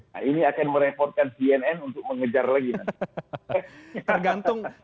nah ini akan merepotkan cnn untuk mengejar lagi nanti